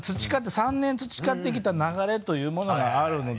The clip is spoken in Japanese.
３年培ってきた流れというものがあるので。